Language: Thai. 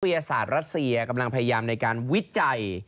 ยศาสตร์รัสเซียกำลังพยายามในการวิจัย